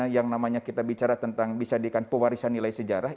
yang namanya kita bicara tentang bisa dikatakan pewarisan nilai sejarah